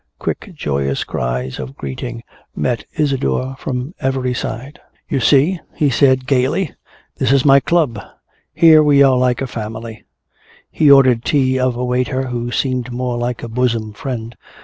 Quick joyous cries of greeting met Isadore from every side. "You see?" he said gaily. "This is my club. Here we are like a family." He ordered tea of a waiter who seemed more like a bosom friend.